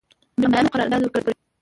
امریکایانو قرارداد ورکړی و.